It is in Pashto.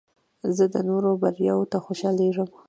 زه د نورو بریاوو ته خوشحالیږم.